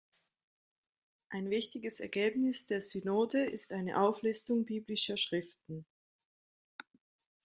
Ein wichtiges Ergebnis der Synode ist eine Auflistung biblischer Schriften.